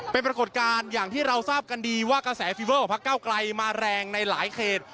เป็นปรากฏการณ์อย่างที่เราทราบกันดีว่ากระแสฟีเวอร์ของพักเก้าไกลมาแรงในหลายเขต